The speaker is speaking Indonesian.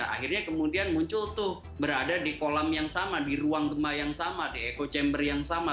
akhirnya kemudian muncul tuh berada di kolam yang sama di ruang gemah yang sama di echo chamber yang sama